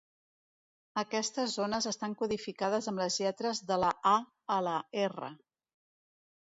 Aquestes zones estan codificades amb les lletres de la "A" a la "R".